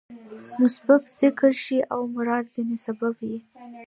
مسبب ذکر شي او مراد ځني سبب يي.